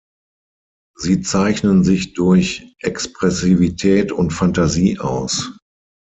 Sie zeichnen sich durch Expressivität und Phantasie aus.